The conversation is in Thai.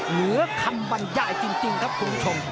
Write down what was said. เหลือคำบรรยายจริงครับคุณผู้ชม